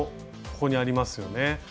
ここにありますよね。